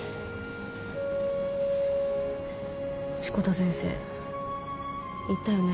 志子田先生言ったよね。